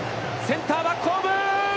センター、バックホーム！